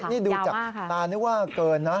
นี่ดูจากตานึกว่าเกินนะ